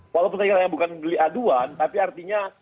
walaupun tadi kalian bukan beli aduan tapi artinya